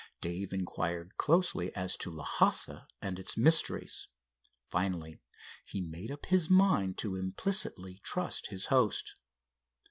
Dave inquired closely as to Lhassa and its mysteries. Finally he made up his mind to implicitly trust his host.